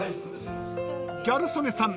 ［ギャル曽根さん